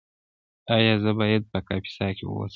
ایا زه باید په کاپیسا کې اوسم؟